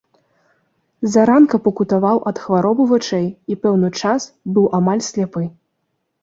Заранка пакутаваў ад хваробы вачэй і пэўны час быў амаль сляпы.